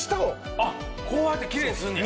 あっこうやってきれいにすんねや。